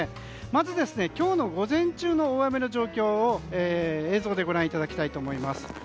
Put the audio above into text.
まず今日の午前中の大雨の状況を映像でご覧いただきます。